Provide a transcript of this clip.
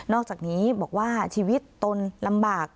อกจากนี้บอกว่าชีวิตตนลำบาก